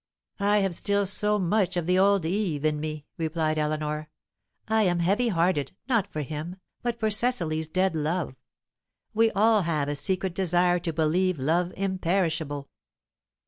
"I have still so much of the old Eve in me," replied Eleanor. "I am heavy hearted, not for him, but for Cecily's dead love. We all have a secret desire to believe love imperishable."